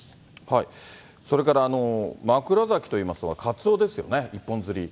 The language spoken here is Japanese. それから枕崎といいますとカツオですよね、一本釣り。